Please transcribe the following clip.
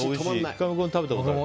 神尾君は食べたことある？